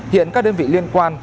hiện các đơn vị liên quan